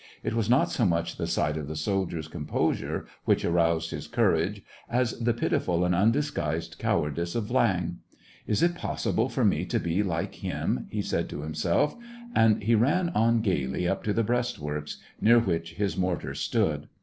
It was not so much the sight of the soldiers' composure which aroused his cour age as the pitiful and undisguised cowardice of Viang. Is it possible for me to be like him ?" SEVASTOPOL IN AUGUST. 253 he said to himself, and he ran on gayly up to the breastworks, near which his mortars stood.